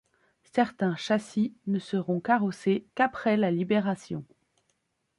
Certains châssis ne seront carrossés qu'après la Libération.